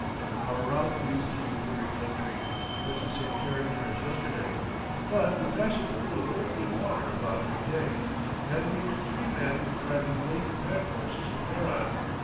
Our route leads through a dreary country, much the same character as yesterday, but we pass a pool of very good water about mid day, and meet three men driving laden pack horses from Herat.